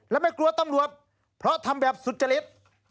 และไม่กลัวตำรวจเพราะทำแบบสุจริต